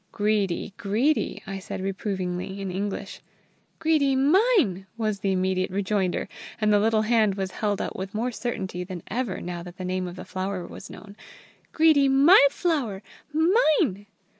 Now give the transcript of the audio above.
"Greedy! greedy!" I said reprovingly, in English. "Greedy mine!" was the immediate rejoinder, and the little hand was held out with more certainty than ever now that the name of the flower was known. "Greedy my flower! _Mine!